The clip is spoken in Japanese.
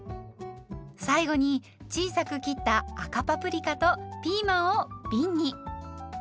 最後に小さく切った赤パプリカとピーマンをびんに。